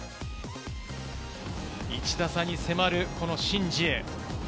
１打差に迫るシン・ジエ。